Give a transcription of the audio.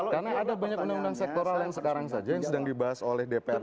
karena ada banyak undang undang sektoral yang sekarang saja yang sedang dibahas oleh dpr dan bpr